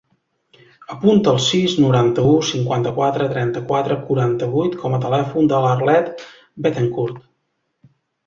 Apunta el sis, noranta-u, cinquanta-quatre, trenta-quatre, quaranta-vuit com a telèfon de l'Arlet Bethencourt.